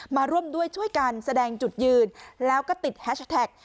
มาร่วมด้วยช่วยกันแสดงจุดยืนแล้วก็ติดแฮชแท็ก